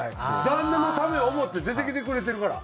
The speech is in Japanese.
旦那のためを思って出てきてくれてるから。